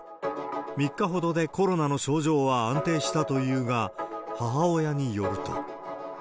３日ほどでコロナの症状は安定したというが、母親によると。